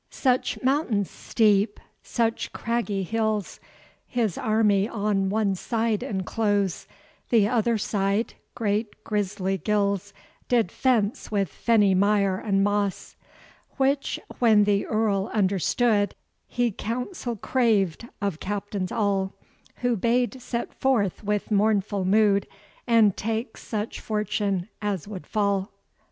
Such mountains steep, such craggy hills, His army on one side enclose: The other side, great griesly gills Did fence with fenny mire and moss. Which when the Earl understood, He council craved of captains all, Who bade set forth with mournful mood, And take such fortune as would fall.